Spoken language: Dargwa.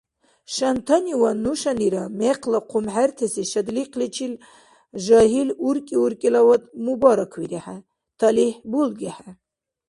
Шантаниван нушанира мекъла хъумхӀертеси шадлихъличил жагьил уркӀи-уркӀилавад мубараквирехӀе, талихӀ булгехӀе.